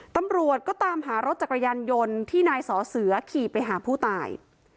ตำรวจก็ตามหารถจักรยานยนต์ที่นายสอเสือขี่ไปหาผู้ตาย